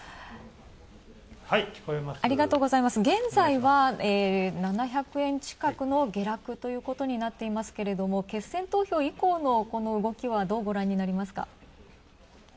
現在は、７００円近くの下落ということになっていますけれども決選投票以降の動きはどうご覧になりますか？